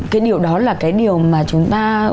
cái điều đó là cái điều mà chúng ta